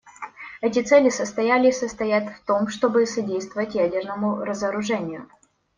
Эти цели состояли и состоят в том, чтобы содействовать ядерному разоружению.